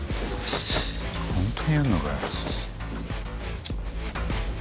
本当にやんのかよ。